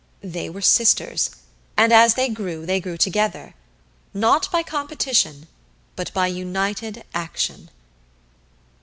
They were sisters, and as they grew, they grew together not by competition, but by united action.